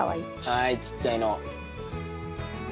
はいちっちゃいの。